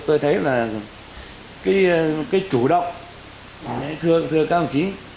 tôi thấy là cái chủ động thưa thưa các ông chí